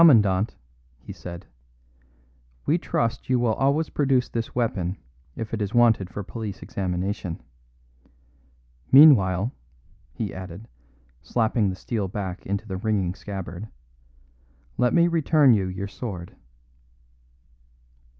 "Commandant," he said, "we trust you will always produce this weapon if it is wanted for police examination. Meanwhile," he added, slapping the steel back in the ringing scabbard, "let me return you your sword."